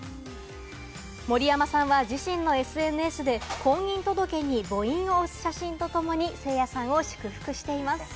盛山さんは自身のＳＮＳで婚姻届に拇印を押す写真とともにせいやさんを祝福しています。